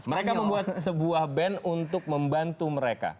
mereka membuat sebuah band untuk membantu mereka